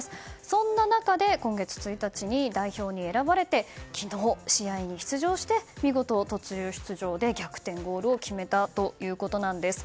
そんな中で今月１日に、代表に選ばれて昨日、試合に出場して見事途中出場で逆転ゴールを決めたということなんです。